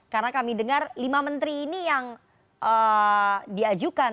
karena kami dengar lima menteri ini yang diajukan